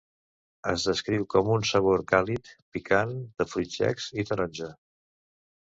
Es descriu com un sabor càlid, picant, de fruits secs i taronja.